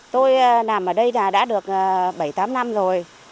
tôi làm ở đây là đã được bảy tám năm rồi